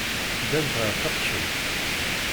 Ddant ɣer teqcelt.